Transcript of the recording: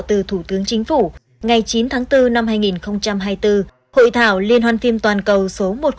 từ thủ tướng chính phủ ngày chín tháng bốn năm hai nghìn hai mươi bốn hội thảo liên hoàn phim toàn cầu số một trăm linh